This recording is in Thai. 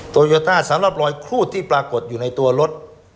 โยต้าสำหรับรอยครูดที่ปรากฏอยู่ในตัวรถ